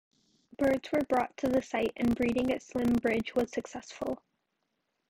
Birds were brought to the site and breeding at Slimbridge was successful.